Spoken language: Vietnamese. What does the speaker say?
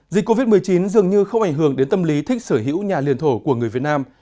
dịch covid một mươi chín dường như không ảnh hưởng đến tâm lý thích sở hữu nhà liền thổ của người việt nam